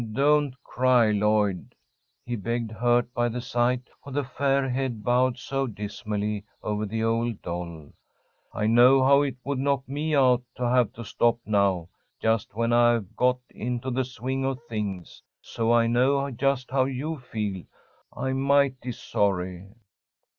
Don't cry, Lloyd!" he begged, hurt by the sight of the fair head bowed so dismally over the old doll. "I know how it would knock me out to have to stop now, just when I've got into the swing of things, so I know just how you feel. I'm mighty sorry."